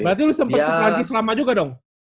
berarti lu sempet ke prancis lama juga dong